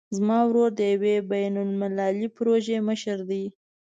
زما ورور د یوې بین المللي پروژې مشر ده